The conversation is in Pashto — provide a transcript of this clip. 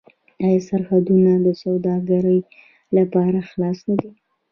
آیا سرحدونه د سوداګرۍ لپاره خلاص نه دي؟